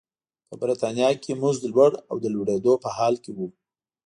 په برېټانیا کې مزد لوړ او د لوړېدو په حال کې و.